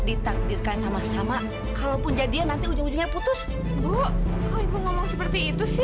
ditakdirkan sama sama kalaupun jadian nanti ujung ujungnya putus buk ngomong seperti itu sih